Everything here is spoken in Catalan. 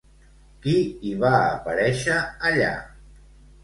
Qui hi va aparèixer allà?